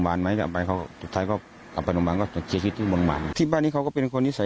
ว่าเอาไปโรงพยาบาลมั้ย